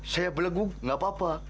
saya beleguk nggak apa apa